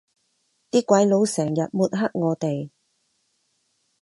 啲鬼佬成日抹黑我哋